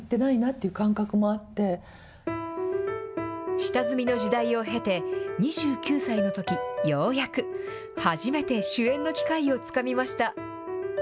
下積みの時代を経て、２９歳のとき、ようやく、初めて主演の機会をつかみました。